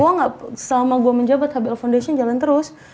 gue gak selama gue menjabat habil foundation jalan terus